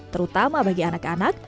terutama bagi anak anak